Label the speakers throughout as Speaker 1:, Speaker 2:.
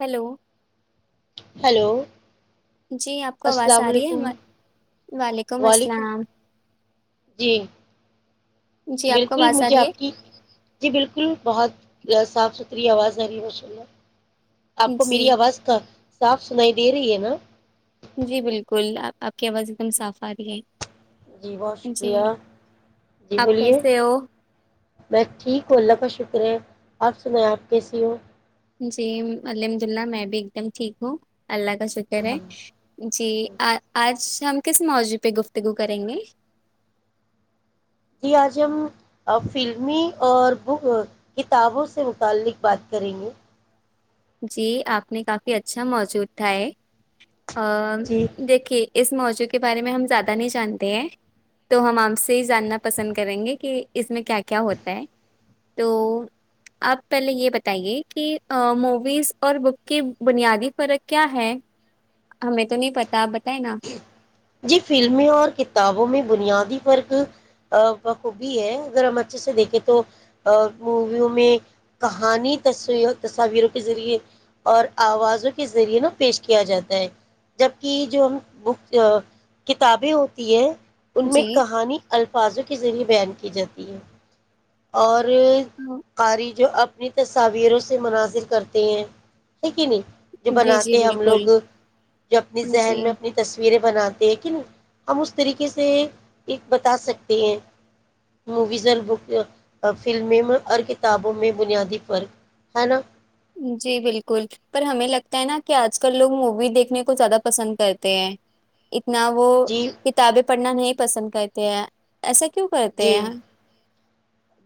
Speaker 1: Hello
Speaker 2: hello
Speaker 1: جی آپ کو آواز آ رہی ہے وعلیکم السلام
Speaker 2: جی
Speaker 1: جی آپ کو
Speaker 2: بالکل
Speaker 1: آواز آ
Speaker 2: مجھے
Speaker 1: رہی
Speaker 2: آپ
Speaker 1: ہے
Speaker 2: کی جی بالکل بہت صاف ستا کتری آواز جری بشلہ آپ کو
Speaker 1: جی
Speaker 2: میری آواز کا صاف سنائی دیر ہے ن
Speaker 1: جی بالکل آپ کی آواز ایک دم صاف آ رہی ہے
Speaker 2: جی بہت
Speaker 1: جی
Speaker 2: شکریہ جی
Speaker 1: آپ
Speaker 2: بولیے
Speaker 1: کیسے ہو
Speaker 2: میں ٹھیک ہوں اللہ کا شکر ہے آپ سنیں آپ کیسی ہو
Speaker 1: جی الحمد اللہ میں بھی ایک دم ٹھیک ہوں اللہ کا شکر ہے
Speaker 2: الحمد
Speaker 1: جی
Speaker 2: للہ۔
Speaker 1: آج ہم کس معاوضی پہ گفتگو کریں گے
Speaker 2: جی آج ہم فلمی اور بک کتابوں سے متعلق بات کریں گے
Speaker 1: جی آپ نے کافی اچھا موضوع اٹھایا ہے ا
Speaker 2: جی
Speaker 1: دیکھیے اس موضوع کے بارے میں ہم زیادہ نہیں جانتے ہیں تو ہم آپ سے یہ جاننا پسند کریں گے کہ اس میں کیا کیا ہوتا ہے تو آپ پہلے یہ بتائیے کہ اور بک کی بنیادی فرق کیا ہے ہمیں تو نہیں پتا آپ بتائ نا
Speaker 2: جی فلمیں اور کتابوں میں بنیادی فرق بخوبی ہے اگر ہم اچھے سے دیکھیں تو موویوں میں کہانی تصو تصاویروں کے ذریعے اور آوازوں کے ذریعے نا پیش کیا جاتا ہے جبکہ جو ہم بک کتابیں ہوتی ہے ان میں
Speaker 1: جی
Speaker 2: کہانی الفاظوں کے ذریعے بیان کی جاتی ہے اور
Speaker 1: ہاں
Speaker 2: کاری جو اب اپنی تصاویروں سے مناظر کرتے ہیں ہے کہ نہیں جو
Speaker 1: جی جی
Speaker 2: بناتے ہیں ہم لوگ
Speaker 1: بالکل
Speaker 2: جو اپنی ذہن
Speaker 1: جی
Speaker 2: میں اپنی تصویریں بناتے ہم اس طریقے سے ایک بتا سکتے ہیں موویز اور بک فلمیں میں اور کتابوں میں بنیادی فرق ہے نا
Speaker 1: جی بالکل پر ہمیں لگتا ہے نا کہ آج کل لوگ مووی دیکھنے کو زیادہ پسند کرتے ہیں نہ وہ
Speaker 2: جی
Speaker 1: کتابیں پڑھنا نہیں پسند کرتے ہیں ایسا کیوں کرتے
Speaker 2: جی
Speaker 1: ہیں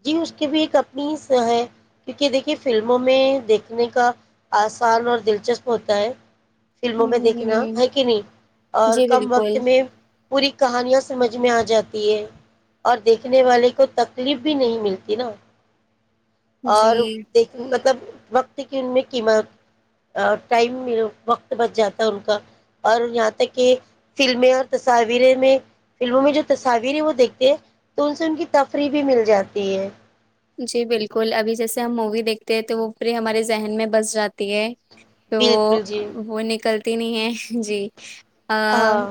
Speaker 2: جی اس کی بھی ایک اپنی ہے کیونکہ دیکھیے فلموں میں دیکھنے کا آسان اور دلچسپ ہوتا ہے فلموں میں دیکھنا
Speaker 1: ہ
Speaker 2: ہے کہ نہیں اور
Speaker 1: جی
Speaker 2: کم
Speaker 1: بالکل
Speaker 2: وقت میں پوری کہانیاں سمجھ میں آ جاتی ہے اور دیکھنے والے کو تکلیف بھی نہیں ملتی نا
Speaker 1: جی
Speaker 2: اور دیکھ مطلب وقت کی ان میں قیمت ٹائم وقت بچ جاتا ہے ان کا اور یہاں تک کہ فلمیں اور تصاویر میں فلموں میں جو تصاویر ہیں وہ دیکھتے ہیں تو ان سے ان کی تفریح بھی مل جاتی ہے
Speaker 1: جی بالکل ابھی جیسے ہم مووی دیکھتے ہیں تو وہ پری ہمارے ذہن میں بس جاتی ہے تو
Speaker 2: بالکل جی
Speaker 1: وہ نکل تی نہیں ہے جی آ
Speaker 2: ہاں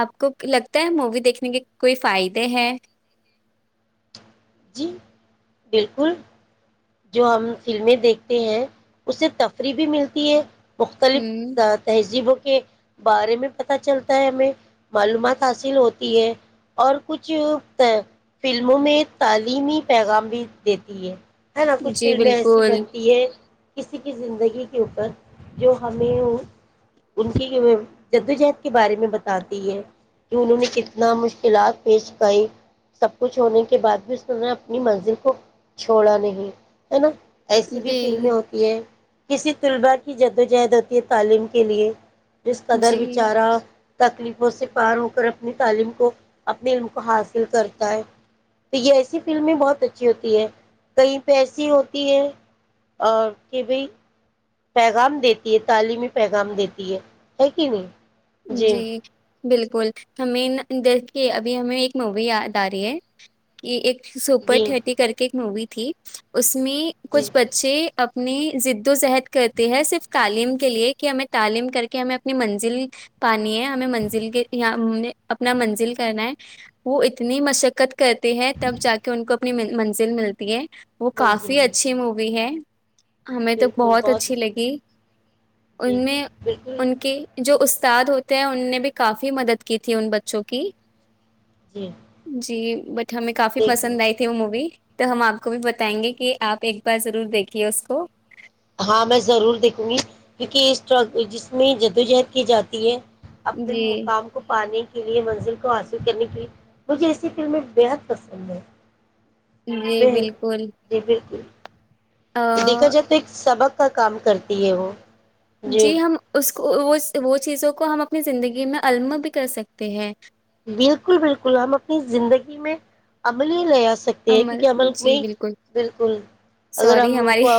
Speaker 1: آپ کو لگتا ہے مووی دیکھنے کے کوئی فائدے ہیں
Speaker 2: جی بالکل جو ہم فلمیں دیکھتے ہیں اس سے تفریح بھی ملتی ہے مختلف
Speaker 1: ہوں
Speaker 2: تہذیبوں کے بارے میں پت چلتا ہے ہمیں معلومات حاصل ہوتی ہے اور کچھ فلموں میں تعلیمی پیغام بھی دیتی ہے ہے نا کچھ
Speaker 1: جی
Speaker 2: فلمیں ایسی
Speaker 1: بالکل
Speaker 2: بنتی ہے کسی کی زندگی کے اوپر جو ہمیں ان کی جدوجہد کے بارے میں بتاتی ہے کہ انہوں نے کتنا مشکلات پیش کریں سب کچھ ہونے کے بعد بھی اسوں نے اپنی منزل کو چھوڑا نہیں ہے نا ایسی بھی
Speaker 1: جی
Speaker 2: فلمیں ہوتی ہیں کسی طلبٹ ہی جدوجہد ہوتی ہے تعلیم کے لیے جس قدر
Speaker 1: جی
Speaker 2: بیچارہ تکلیفوں سے پار ہو کر اپنی تعلیم کو اپنے علم کو حاصل کرتا ہے تو یہ ایسی فلمیں بہت اچھی ہوتی ہے کئی پیسی ہوتی ہے اور کہ بھائی پیغام دیتی ہے تعلیمی پیغام دیتی ہے ہے کہ نہیں
Speaker 1: جی بالکل ہمیں دیکھ کے ابھی ہمیں ایک مووی یاد آ رہی ہے کہ ایک سپر
Speaker 2: جی
Speaker 1: تھئٹی کر کے ایک مووی تھی اس اس میں
Speaker 2: جی
Speaker 1: کچھ بچے اپنی جد و جہد کرتی ہے صرف تعلیم کے لیے کہ ہمیں تعلیم کر کے ہمیں اپنی منزل پانی ہے ہمیں منزل کے یہ ہم اپنا منزل کرنا ہے وہ اتنی مشقت کرتے ہیں تب جا کے ان کو اپنی منزل ملتی ہے وہ
Speaker 2: منزل
Speaker 1: کافی
Speaker 2: میں
Speaker 1: اچھی مووی ہے [unintelligible] ہمیں تو
Speaker 2: بالکل
Speaker 1: بہت
Speaker 2: جی
Speaker 1: اچھی لگی
Speaker 2: جی
Speaker 1: ان میں
Speaker 2: بالکل
Speaker 1: ان کی جو اس استاد ہوتے ہیں ان نے بھی کافی مدد کی تھی ان بچوں کی
Speaker 2: جی
Speaker 1: جی بٹ ہمیں کافی
Speaker 2: دیکھیے
Speaker 1: پسند آئی تھی وہ مووی تو ہم آپ کو بھی بتائیں گے کہ آپ ایک بار ضرور دیکھیے اس کو
Speaker 2: ہاں میں ضرور دیکھوں گی کیونکہ جس میں جدوجہد کی جاتی ہے اپنے
Speaker 1: جی
Speaker 2: مقام کو پانے لیئے منزل کو حاصل کرنے کے مجھے ایسی فلمیں بےحد پسند ہیں
Speaker 1: جی
Speaker 2: ب جی بالکل
Speaker 1: ہ
Speaker 2: دیکھا جائے تو ایک سبق کا کام کرتی ہے وہ
Speaker 1: جی ہم اس وہ وہ چیزوں کو ہم اپنی زندگی میں اللم بھی کر سکتے ہیں
Speaker 2: بالکل بالکل ہم اپنی زندگی میں عمل ہی لیا سکتے ہیں کیونکہ عمل
Speaker 1: جی
Speaker 2: میں
Speaker 1: بالکل
Speaker 2: بالکل اگر ہم
Speaker 1: سوری
Speaker 2: ان
Speaker 1: ہماری
Speaker 2: کو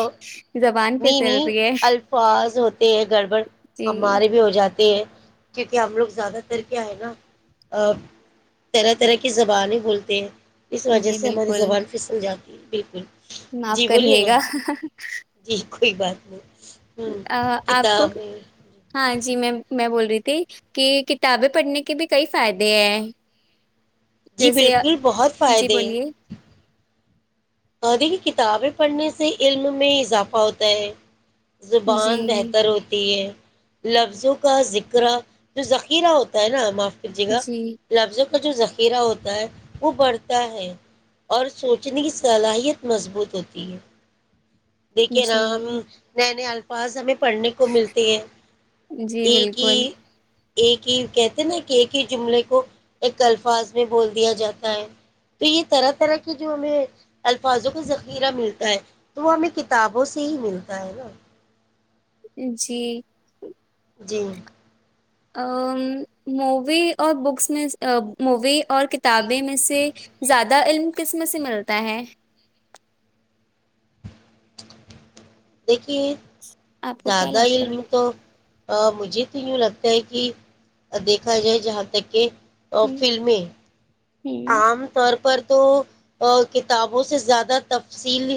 Speaker 1: زبان پہ
Speaker 2: نہیں
Speaker 1: چل
Speaker 2: نہیں
Speaker 1: رہی ہے
Speaker 2: الفاظ ہوتے ہیں گڑبڑ
Speaker 1: جی
Speaker 2: ہمارے بھی ہو جاتے کیونکہ ہم لوگ زیادہ تر کیا ہے نا طرح طرح کی زبانیں بولتے ہیں اس وجہ
Speaker 1: جی
Speaker 2: سے ہماری
Speaker 1: بالکل
Speaker 2: زبان پھسل جاتی ہے جی بالکل
Speaker 1: معاف
Speaker 2: جی بولیے
Speaker 1: کریے
Speaker 2: نا
Speaker 1: گا
Speaker 2: جی کوئی بات نہیں ہ
Speaker 1: آپ کو
Speaker 2: کتابیں
Speaker 1: ہاں جی میں میں بول رہی تھی کہ کتابیں پڑھنے کے بھی کئی فائدے ہیں
Speaker 2: جی
Speaker 1: جیسے
Speaker 2: بالکل بہت
Speaker 1: جی
Speaker 2: فائدے
Speaker 1: بولیے
Speaker 2: ہیں قدی کی کتابیں پڑھنے سے علم میں اضافہ ہوتا ہے
Speaker 1: جی
Speaker 2: زبان بہتر ہوتی ہے لفظوں کا ذکرہ جو ذخیرہ ہوتا ہے نا معاف جگہ
Speaker 1: جی
Speaker 2: لفظ جو ذخیرہ ہوتا ہے وہ بڑھتا ہے اور سوچنے کی صلاحیت مضبوط ہوتی ہے دیکھیے نا
Speaker 1: جی
Speaker 2: ن نے پاز ہمیں پڑھنے کو ملتے ہیں
Speaker 1: جی
Speaker 2: ایک ہی
Speaker 1: بالکل
Speaker 2: ایک ہی کہتے ہیں نا کہ ایک ہی جملے کو ایک الفاظ میں بول دیا جاتا ہے تو یہ طرح طرح کے جو ہمیں الفاظوں کا ذخیرہ ملتا ہے تو وہ ہمیں کتابوں سے ہی ملتا ہے نا
Speaker 1: جی
Speaker 2: جی
Speaker 1: مووی اور بکس میں مووی اور کتابیں میں سے زیادہ علم کسمس سے ملتا ہے
Speaker 2: دیکھیے
Speaker 1: آپ کو کیا
Speaker 2: زیادہ
Speaker 1: لگتا
Speaker 2: علم
Speaker 1: ہے
Speaker 2: تو مھے تو یوں لگتا ہے کہ دیکھا جائے جہاں تک کہ
Speaker 1: ہ
Speaker 2: فلممی
Speaker 1: ہ
Speaker 2: عام طور پر تو کتابوں سے زیادہ تفصیل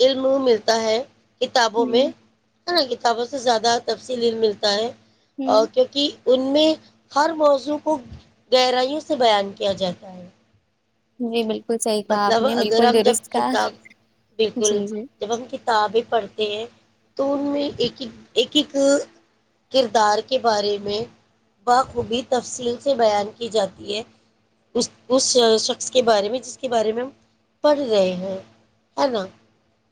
Speaker 2: علم ملتا ہے کتابوں میں
Speaker 1: ہ
Speaker 2: ہے نا کتابوں سے زیادہ تفصیلل ملتا ہے ا
Speaker 1: ہ
Speaker 2: کیونکہ ان میں ہر موضوع کو گہرائیوں سے بیان کیا جاتا ہے جائے
Speaker 1: جی بالکل صحیح کہا آپ
Speaker 2: مطلب
Speaker 1: نے
Speaker 2: اگر
Speaker 1: بالکل
Speaker 2: ہم جب
Speaker 1: درست کہا
Speaker 2: کتاب بالکل
Speaker 1: جی
Speaker 2: جب ہم ک کتابیں پڑھتے ہیں تو ان میں ایک ایک ایک ایک کردار کے بارے میں بخوبی تفصیل سے بیان کی جاتی ہے اس اس شخص کے بارے میں ج [unintelligible] کے بارے میں ہم پڑھ رہے ہیں ہے نا [unintelligible]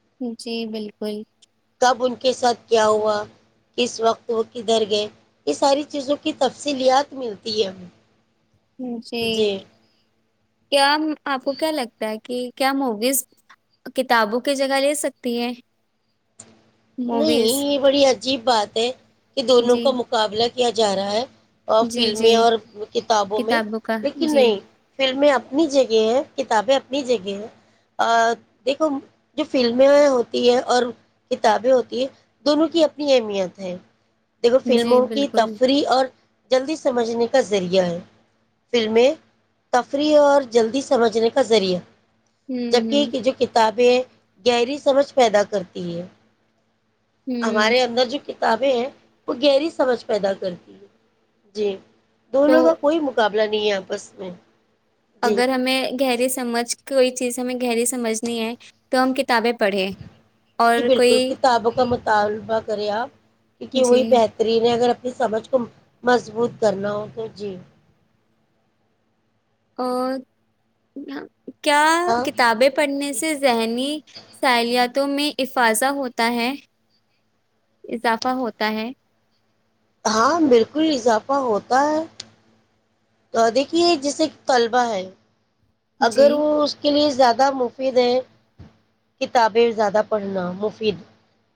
Speaker 1: جی بالکل [unintelligible]
Speaker 2: اب ان کے ساتھ کیا ہوا کس وقت وہ کدھر گئے یہ ساری چیزوں کی تفصیلت ملتی ہے ہمیں [unintelligible]
Speaker 1: جی کیا آپ کو کیا لگتا ہے کہ کیا موگیز کتابوں کی جگہ لے سکتی ہیں [unintelligible]
Speaker 2: نہیں یہ بڑی عجیب بات [unintelligible] ایک [unintelligible] کہ دونوں
Speaker 1: جی
Speaker 2: کا مقابلہ [unintelligible] کیا جا رہا ہے [unintelligible] اور
Speaker 1: جی جی
Speaker 2: فلمیں اور کتابوں میں
Speaker 1: کا
Speaker 2: لیکن
Speaker 1: جی
Speaker 2: نہیں فلمیں ا [unintelligible] اپنی جگہ ہے کتابیں اپنی جگہ ہے دیکھو جو فلمیں ہوتی ہے اور ک کتابیں ہوتی ہے دونوں کی اپنی اہمیت ہے [unintelligible] دیکھو
Speaker 1: جی
Speaker 2: فلموں کی
Speaker 1: بالکل
Speaker 2: تفریح اور [unintelligible] جلدی سمجھنے کا ذریعہ ہے فلمیں تفریح اور جلدی سمجھنے کا ذریعہ [unintelligible]
Speaker 1: ہوں
Speaker 2: جک
Speaker 1: ہوں
Speaker 2: کی جو کتاب [unintelligible] وہ گہری سمجھ پیدا کرتی ہیں [unintelligible]
Speaker 1: ہوں
Speaker 2: ہمارے اندر جو [unintelligible] کتابیں ہیں وہ گہری سمجھ پیدا کرتی ہے جی
Speaker 1: تو
Speaker 2: دونوں کا کوئی مقابلہ نہیں ہے آپس میں [unintelligible] جی
Speaker 1: اگر ہمیں گہری سمجھ [unintelligible] کوئی چیز ہمیں گہری سمجھنی ہے تو ہم کتابیں پڑھیں [unintelligible]
Speaker 2: جی بالکل
Speaker 1: کوئی
Speaker 2: کتاب کا مطلب [unintelligible] طالبہ کر آ [unintelligible] کیونکہ
Speaker 1: جی
Speaker 2: وہی بہترین ہے اگر [unintelligible] سمجھ کو مضبوط کرنا ہو تو جی [unintelligible]
Speaker 1: اور [unintelligible] کیا
Speaker 2: ہاں
Speaker 1: کتابیں پڑھنے
Speaker 2: جی جی
Speaker 1: سے ذہنی سلت [unintelligible] بوں میں افاضا ہوتا ہے اضافہ ہوتا ہے [unintelligible]
Speaker 2: ہاں بالکل اضافہ ہوتا ہے [unintelligible] تو دیکھیے جیسے طلبہ ہے
Speaker 1: جی
Speaker 2: اگر وہ اس کے لیے زیادہ مفید ہے کتابیں زیادہ پڑھنا مفید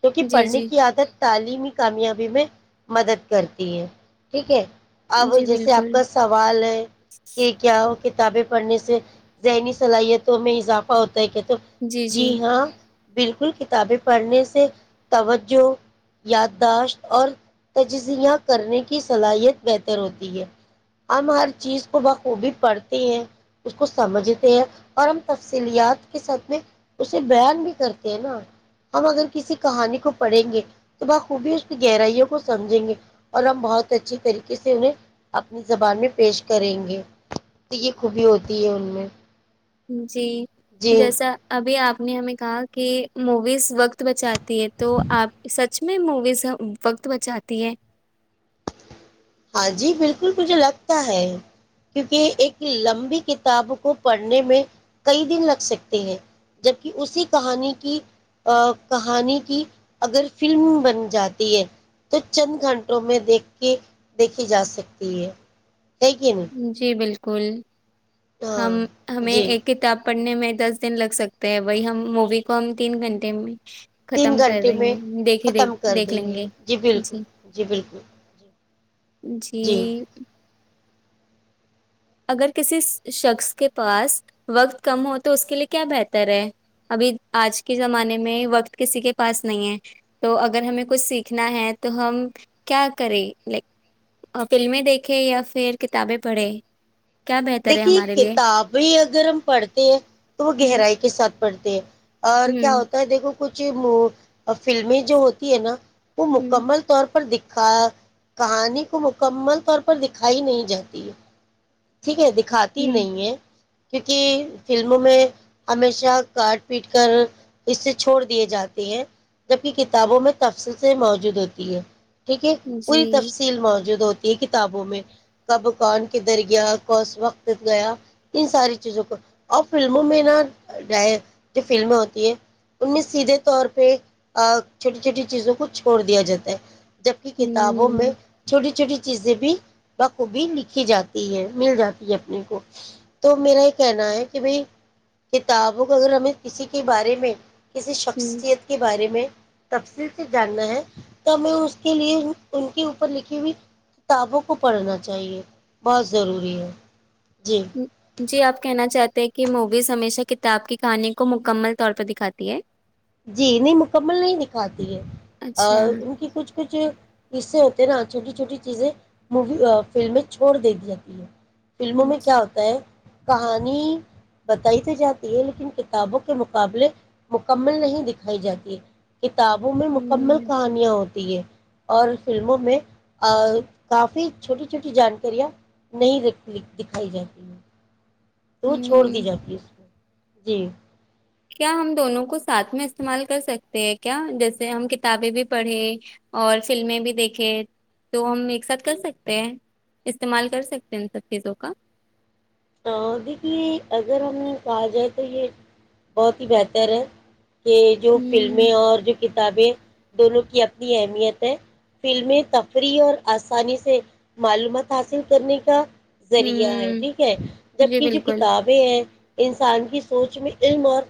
Speaker 2: کیونکہ
Speaker 1: جی
Speaker 2: پڑھنے
Speaker 1: جی
Speaker 2: کی عادت تعلیمی کامیابی میں مدد کرتی ہے ٹھیک ہے اب
Speaker 1: جی
Speaker 2: جیسے آپ
Speaker 1: بالکل
Speaker 2: کا سوال ہے کہ کیا کتابیں پڑھنے سے ذہنی صلاحیتوں میں اضافہ ہوتا کہ تو جی ہاں بالکل کتابیں پڑھنے سے توجہ یادداشت اور تجزیہ کرنے کی صلاحیت بہتر ہوتی ہے ہم ہر چیز کو بخوبی پڑھتے ہیں کو سمجھتے ہیں اور ہم تفصیلیات کے ساتھ میں اسے بیان بھی کرتے ہیں نا ہم اگر کسی کہانی کو پڑھیں گے تو بخوبی اس کی گہرائیوں کو سمجھیں گے اور ہم بہت اچھی طریقے سے انہیں اپنی زبان میں پیش کریں گے تو یہ خوبی ہوتی تی میں
Speaker 1: جی
Speaker 2: جی
Speaker 1: جیسا ابھی آپ آپ نے ہمیں کہا کہ موویز وقت بچاتی ہے تو آپ سچ میں موویز وقت بچاتی ہے
Speaker 2: ہاں جی بالکل مجھے لگتا ہے کیونکہ ایک لمبی کتاب کو پڑھنے میں کئی دن لگ سکتے ہیں جبک اسی کہانی کی کہانی کی اگر فلم بن جاتی ہے تو چند گھنٹوں میں دیکھ کے دیکھی جا سکتی ہے ہے کہ نہیں
Speaker 1: جی بالکل کل ہم
Speaker 2: ہاں
Speaker 1: ہمیں
Speaker 2: جی
Speaker 1: ایک کتاب پڑھنے میں دس دن لگ سکتے ہیں بائی ہم مووی کو ہم تین گھنٹے میں
Speaker 2: تین
Speaker 1: ختم کر
Speaker 2: گھنٹے
Speaker 1: دیں
Speaker 2: میں
Speaker 1: گے دیکھے
Speaker 2: ختم
Speaker 1: دیکھ
Speaker 2: کر
Speaker 1: دیکھ
Speaker 2: دیں
Speaker 1: لیں
Speaker 2: گے جی بالکل جی بالکل جی
Speaker 1: جی اگر کسی شخص کے پاس وقت کم ہو تو اس کے لیے کیا بہتر ہے ابھی آج کے زمانے میں وقت کسی کے پاس نہیں ہے تو اگر ہمیں کچھ سیکھنا ہے تو ہم کیا کریں لائک فلمیں دیکھیں یا پھر کتابیں پڑھے
Speaker 2: دیکھیے کتابیں اگر ہم پڑھتے ہیں تو وہ
Speaker 1: ہ
Speaker 2: گہرائی کے ساتھ پڑھتے اور کیا
Speaker 1: ہ
Speaker 2: ہوتا ہے دیکھو کچھ فلمیں جو ہوتی ہے نا وہ
Speaker 1: ہ ہ
Speaker 2: مکمل طور پر دکھ کہانی کو مکمل طور پر دکھائی نہیں جاتی ہے ٹھیک ہے دیک کھاتی نہیں ہے کیونکہ فلموں میں ہمیشہ کاٹ پیٹ کر اس سے چھوڑ دیے جاتے ہیں جبک کتابوں میں تفصل سے موجود ہوتی ہے ٹھیک ہے پوری
Speaker 1: جی
Speaker 2: تفصیل موجود ہوتی کتابوں میں کب کون کے در گیا کوس وقت گیا ان ساری چیزوں کو اور فلموں میں نا جو فلمیں ہوتی ہے ان میں سیدھے طور پہ چھوٹی چھوٹی چیزوں کو چھوڑ دیا جاتا ہے جبک کتابوں میں چھوٹی چھوٹی چیزیں بھی ب کب لکھی جات مل جاتی ہے اپنے کو تو میرا یہ کہنا ہے کہ بھائی کتابوں کو اگر ہمیں کسی کے بارے میں کسی
Speaker 1: ہ ہ
Speaker 2: شخصیت کے بارے میں تفصیل سے جاننا ہے تو ہمیں اس کے لیے ان کے اوپر لکھی ہوئی کتابوں کو پڑھنا چاہیے بہت ضروری ہے جی
Speaker 1: جی آپ کہنا چاہتے کی موویز ہمیشہ کتاب کی کہانی کو مکمل طور پر دکھاتی ہے
Speaker 2: جی نہیں مکمل نہیں دکھاتی ہے
Speaker 1: اچھا
Speaker 2: ان کی کچھ کچھ حصے ہوتے ہیں نا چھوٹی چھوٹی چیزیں می فلمیں چھوڑ د دی جاتی ہے فلموں
Speaker 1: ہوں
Speaker 2: میں کیا ہوتا ہے کہانی بتائی تو جاتی ہے لیکن کتابوں کے مقابلے م مل نہیں دکھائی جاتی کتابوں میں مکمل کہانیاں ہوتی ہیں اور فلموں میں کافی چھوٹی چھوٹی جانکاریاں نہیں دکھائی جاتی ہیں تو وہ چھوڑ دی
Speaker 1: ہوں
Speaker 2: جاتی ہے اس کو جی
Speaker 1: کیا ہم دونوں کو ساتھ میں استعمال کر سکتے ہیں کیا جیسے ہم کتابیں بھی پڑھیں اور فلمیں بھی دیکھیں تو ہم ایک ساتھ کر سکتے ہیں استعمال کر سکتے ہیں ان سب چیزوں کا
Speaker 2: دیکھیے اگر ہم کہا جائے تو یہ بہت ہی بہتر ہے یہ جو
Speaker 1: ہوں
Speaker 2: فلمیں اور جو کتابیں دونوں کی اپنی اہمیت ہے فلمیں تفریح اور آسانی سے معلومات حاصل کرنے کا ذریعہ ہے
Speaker 1: ہوں
Speaker 2: جی
Speaker 1: جی
Speaker 2: جبک جو
Speaker 1: بالکل
Speaker 2: کتابیں ہیں انسان کی سوچ میں علم اور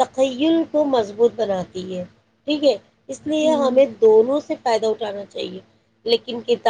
Speaker 2: تخل کو مضبوط بناتی ہے ٹھیک ہے اس لیے
Speaker 1: ہوں
Speaker 2: ہمیں دونوں سے فائدہ اٹھانا چاہیے لیکن کتاب